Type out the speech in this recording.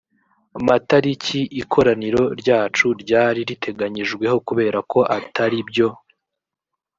matariki ikoraniro ryacu ryari riteganyijweho kubera ko atari byo